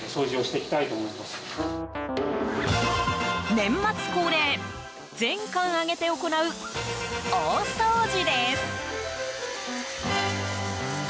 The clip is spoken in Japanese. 年末恒例全館挙げて行う大掃除です。